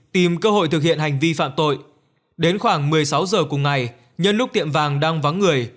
tìm cơ hội thực hiện hành vi phạm tội đến khoảng một mươi sáu giờ cùng ngày nhân lúc tiệm vàng đang vắng người